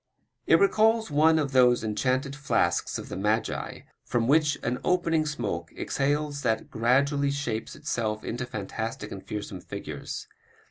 It recalls one of those enchanted flasks of the magii from which on opening smoke exhales that gradually shapes itself into fantastic and fearsome figures.